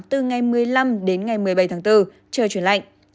từ ngày một mươi năm đến ngày một mươi bảy tháng bốn trời chuyển lạnh